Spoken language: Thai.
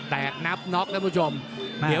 แตกนับน็อกท์นะครับคุณผู้ชม